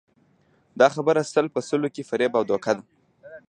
دا خبره سل په سلو کې فریب او دوکه ده